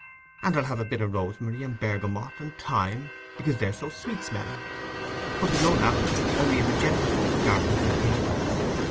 And I'll have a bit o' rosemary, and bergamot, and thyme, because they're so sweet smelling; but there's no lavender only in the gentlefolks' gardens, I think."